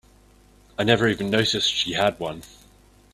I never even noticed she had one.